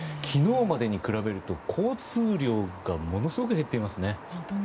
昨日までに比べると交通量がものすごく減っていますね。